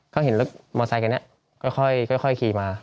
เขาเห็นรถมอไซคันนี้ค่อยขี่มา